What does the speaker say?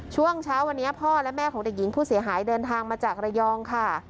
ช่วงเช้าวันนี้พ่อและแม่ของเด็กหญิงผู้เสียหายเดินทางมาจากระยองค่ะ